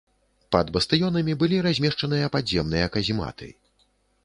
Пад бастыёнамі былі размешчаныя падземныя казематы.